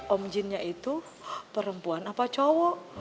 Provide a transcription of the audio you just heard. om jinnya itu perempuan apa cowok